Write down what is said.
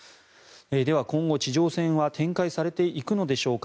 では、今後、地上戦は展開されていくのでしょうか。